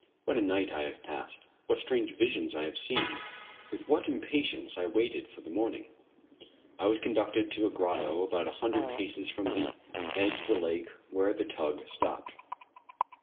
What a night I have passed! What strange visions I have seen! With what impatience I waited for morning! I was conducted to a grotto about a hundred paces from the edge of the lake where the tug stopped.